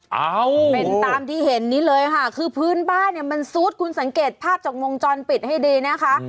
เอาเป็นตามที่เห็นนี้เลยค่ะคือพื้นบ้านเนี่ยมันซุดคุณสังเกตภาพจากวงจรปิดให้ดีนะคะ